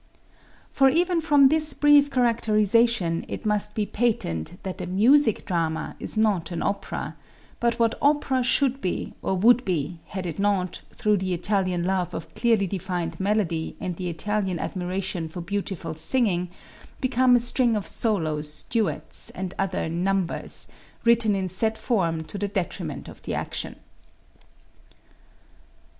For even from this brief characterization, it must be patent that a music drama is not an opera, but what opera should be or would be had it not, through the Italian love of clearly defined melody and the Italian admiration for beautiful singing, become a string of solos, duets and other "numbers" written in set form to the detriment of the action.